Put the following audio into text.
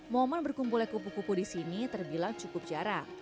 momen berkumpulnya pupu pupu di sini terbilang cukup jarak